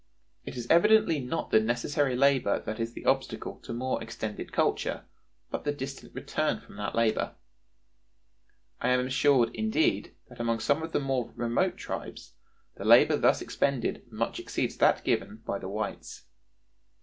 It is evidently not the necessary labor that is the obstacle to more extended culture, but the distant return from that labor. I am assured, indeed, that among some of the more remote tribes, the labor thus expended much exceeds that given by the whites.